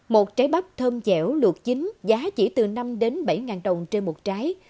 một trái bắp thơm dẻo luộc chín giá chỉ từ năm bảy ngàn đồng trên một trái